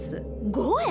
５円？